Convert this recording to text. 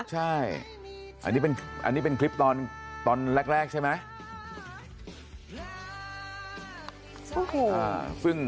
ใช่อันนี้เป็นคลิปตอนแรกใช่ไหม